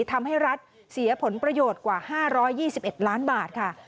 ทำให้รัฐเสียผลประโยชน์กว่า๕๒๑ล้านบาทค่ะ